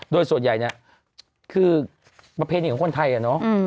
โดยส่วนใหญ่น่ะคือประเภทหนึ่งของคนไทยน่ะ